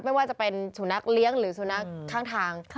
ไม่ว่าจะเป็นสุนัขเลี้ยงหรือสุนัขข้างทาง